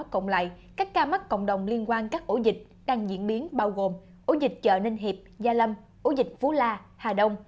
cộng lại các ca mắc cộng đồng liên quan các ổ dịch đang diễn biến bao gồm ổ dịch chợ ninh hiệp gia lâm ổ dịch phú la hà đông